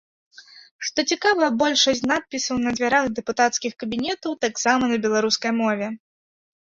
Што цікава, большасць надпісаў на дзвярах дэпутацкіх кабінетаў таксама на беларускай мове.